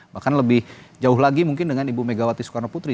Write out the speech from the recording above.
bahkan lebih jauh lagi mungkin dengan ibu megawati soekarno putri